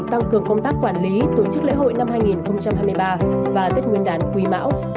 tăng cường công tác quản lý tổ chức lễ hội năm hai nghìn hai mươi ba và tết nguyên đán quý mão